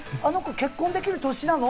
あの子、結婚できる歳なの？